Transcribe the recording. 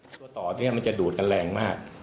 ตัวต่อเนี่ยมันจะดูดกันแรงมาก